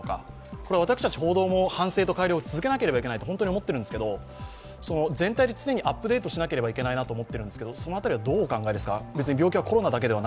これは、私たち反省と改良を続けなければいけないと思ってるんですけれども全体で常にアップデートしなければいけないと思っているんですが、その辺りはどうお考えですか？